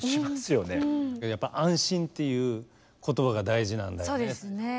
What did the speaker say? やっぱ「安心」っていう言葉が大事なんだよね。